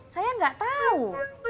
saya gak tau